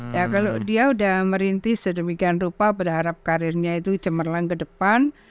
ya kalau dia sudah merintis sedemikian rupa berharap karirnya itu cemerlang ke depan